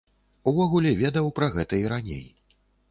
Увогуле ведаў пра гэта і раней.